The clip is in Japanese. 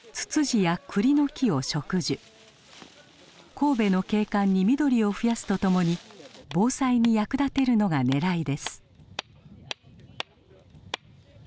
神戸の景観に緑を増やすとともに防災に役立てるのがねらいです。